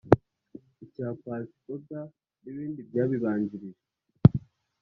icya Paccy Oda n’ibindi byabibanjirije